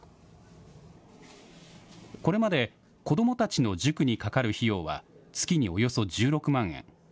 これまで、子どもたちの塾にかかる費用は、月におよそ１６万円。